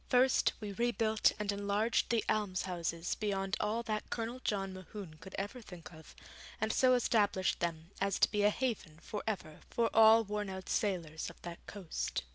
First, we rebuilt and enlarged the almshouses beyond all that Colonel John Mohune could ever think of, and so established them as to be a haven for ever for all worn out sailors of that coast.